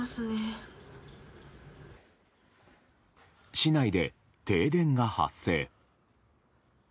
市内で停電が発生。